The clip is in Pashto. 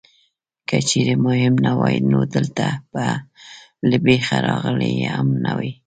که چېرې مهم نه وای نو دلته به له بېخه راغلی هم نه وې.